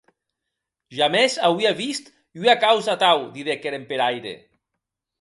Jamès auia vist ua causa atau, didec er emperaire.